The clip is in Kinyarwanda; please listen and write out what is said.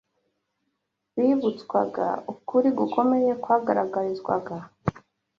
Bibutswaga ukuri gukomeye kwagaragarizwaga